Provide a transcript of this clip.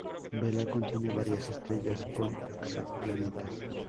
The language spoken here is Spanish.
Vela contiene varias estrellas con exoplanetas.